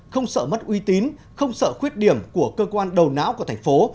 không sợ mất uy tín không sợ khuyết điểm của cơ quan đầu não của thành phố